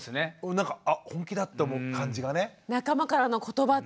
なんかあ本気だって思う感じがね。